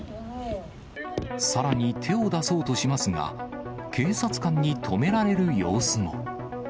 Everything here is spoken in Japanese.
さらに、手を出そうとしますが、警察官に止められる様子も。